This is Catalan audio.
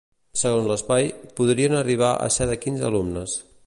Segons l’espai, podrien arribar ser de quinze alumnes.